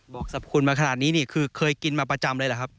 สรรพคุณมาขนาดนี้นี่คือเคยกินมาประจำเลยหรือครับ